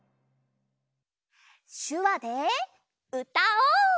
しゅわでうたおう！